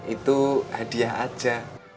itu hadiah aja